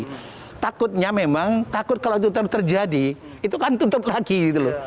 karena takutnya memang takut kalau itu terjadi itu kan tutup lagi gitu loh